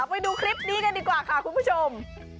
ไปดูคลิปนี้กันดีกว่าค่ะคุณผู้ชม